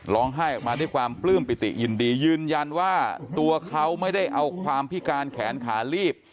ร้องไห้ออกมาด้วยความปลื้มปิติยินดียืนยันว่าตัวเขาไม่ได้เอาความพิการแขนขาลีบ